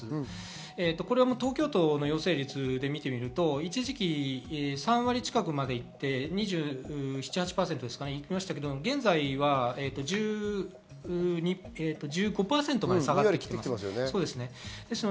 東京都の陽性率で見てみると一時期、３割近くまでいて、２７２８％まで行きましたが現在は１５％まで下がっています。